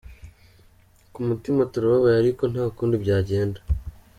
Ku mutima turababaye ariko nta kundi byagenda.